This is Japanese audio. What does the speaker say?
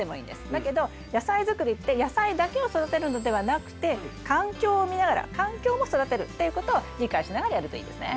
だけど野菜作りって野菜だけを育てるのではなくて環境を見ながら環境も育てるっていうことを理解しながらやるといいですね。